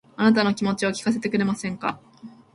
あなたの気持ちを聞かせてくれませんか